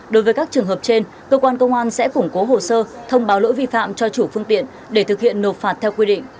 đối với các trường hợp trên cơ quan công an sẽ củng cố hồ sơ thông báo lỗi vi phạm cho chủ phương tiện để thực hiện nộp phạt theo quy định